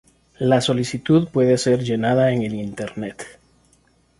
La solicitud puede ser llenada en el internet.